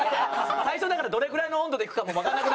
最初だからどれくらいの温度でいくかもわかんなく。